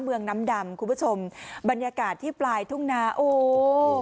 เมืองน้ำดำคุณผู้ชมบรรยากาศที่ปลายทุ่งนาโอ้